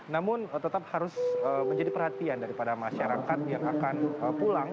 namun tetap harus menjadi perhatian daripada masyarakat yang akan pulang